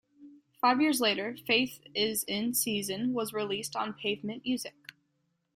Five years layer, "Faith Is in Season" was released on Pavement Music.